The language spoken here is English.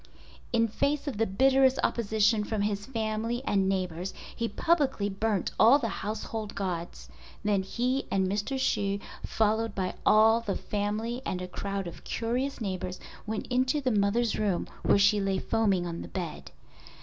In face of the bitterest opposition from his family and neighbors he publicly burnt all the household gods. Then he and Mr. Hsu followed by all the family and a crowd of curious neighbors went into the mother's room where she lay foaming on the bed.